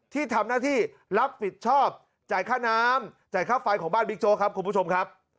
ที่ทำหน้าที่รับผิดชอบจ่ายค่าน้ำจ่ายค่าไฟของบ้านบิ๊กโจ๊กครับคุณผู้ชมครับ